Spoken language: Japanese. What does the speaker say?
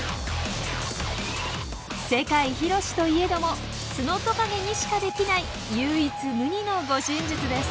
世界広しといえどもツノトカゲにしかできない唯一無二の護身術です。